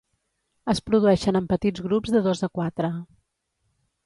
Es produeixen en petits grups de dos a quatre.